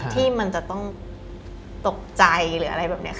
ที่มันจะต้องตกใจหรืออะไรแบบนี้ค่ะ